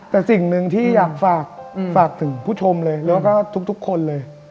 แต่สิ่งหนึ่งที่อยากฝากถึงผู้ชมเลยแล้วก็ทุกคนเลย